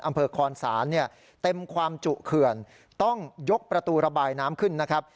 อำเภอคอนศาลเนี่ยเต็มความจุเขื่อนต้องยกประตูระบายน้ำขึ้นนะครับ